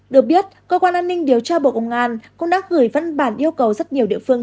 được biết cơ quan an ninh điều tra bộ công an cũng đã gửi văn bản yêu cầu rất nhiều địa phương